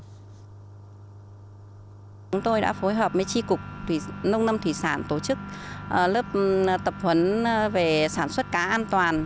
chúng tôi đã phối hợp với tri cục nông nâm thủy sản tổ chức lớp tập huấn về sản xuất cá an toàn